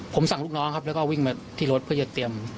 ผมสั่งลูกน้องครับแล้วก็วิ่งมาที่รถเพื่อจะเตรียม